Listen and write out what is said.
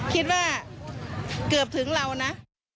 คิดว่าเกือบถึงเรานะ